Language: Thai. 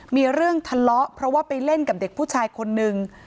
มีเรื่องทะเลาะเพราะว่าไปเล่นกับเด็กผู้ชายคนนึง